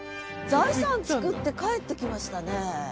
財産作って帰ってきましたね。